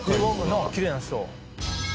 きれいな人。